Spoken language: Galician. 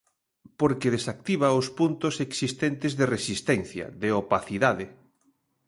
Porque desactiva os puntos existentes de resistencia, de opacidade.